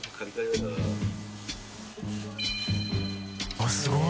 あっすごい！